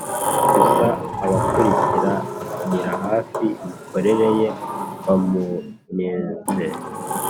gusa abakurikiranira hafi imikorere ye bamunenze